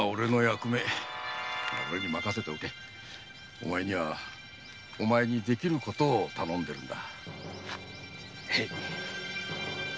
お前にはお前にできることを頼んでいるのだ。